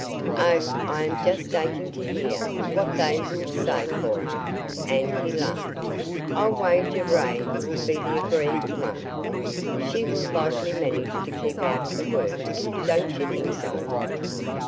Oh, I am just aching to hear what they will say, Cora," and he laughed. "I'll wager Ray will be the aggrieved one. She will likely manage to keep out of the work, don't you think so?"